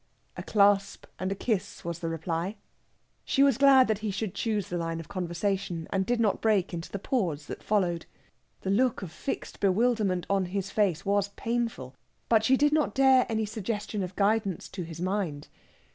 A clasp and a kiss was the reply. She was glad that he should choose the line of conversation, and did not break into the pause that followed. The look of fixed bewilderment on his face was painful, but she did not dare any suggestion of guidance to his mind.